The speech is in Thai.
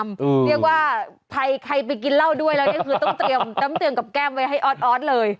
เรียกว่าใครไปกินเหล้าด้วยแล้วนี่คือต้องเตรียมน้ำเตียงกับแก้มไว้ให้ออสออสเลย